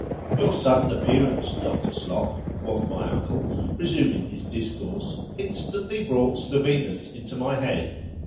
Your sudden appearance, Dr. Slop, quoth my uncle, resuming the discourse, instantly brought Stevinus into my head.